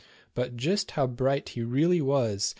But just how bright he really was.